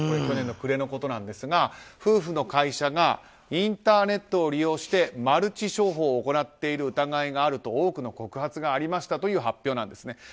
去年の暮れのことですが夫婦の会社がインターネットを利用してマルチ商法を行っている疑いがあると多くの告発がありましたという発表なんですね。